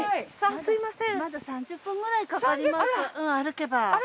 すみません。